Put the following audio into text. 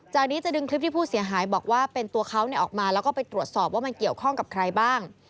จากนี้จะดึงคลิปที่ผู้เสียหายบอกว่าเป็นตัวเขาออกมาแล้วก็ไปตรวจสอบว่ามันเกี่ยวข้องกับใครบ้าง